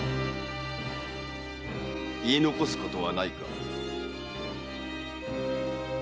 言い残すことはないか？